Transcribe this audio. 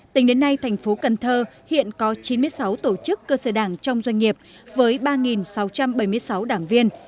tính đến nay tp cnh hiện có chín mươi sáu tổ chức cơ sở đảng trong doanh nghiệp với ba sáu trăm bảy mươi sáu đảng viên